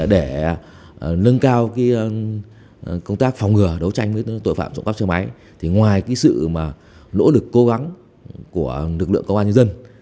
để nâng cao công tác phòng ngừa đấu tranh với tội phạm trộm cắp xe máy ngoài sự lỗ lực cố gắng của lực lượng cơ quan nhân dân